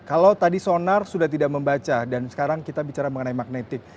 kalau tadi sonar sudah tidak membaca dan sekarang kita bicara mengenai magnetik